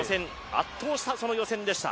圧倒した予選でした。